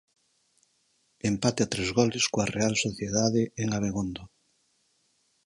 Empate a tres goles coa Real Sociedade en Abegondo.